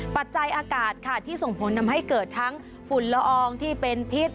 ปัจจัยอากาศค่ะที่ส่งผลทำให้เกิดทั้งฝุ่นละอองที่เป็นพิษ